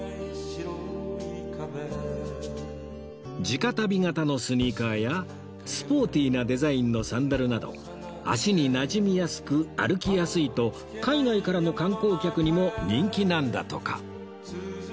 地下足袋型のスニーカーやスポーティーなデザインのサンダルなど足になじみやすく歩きやすいと海外からの観光客にも人気なんだとか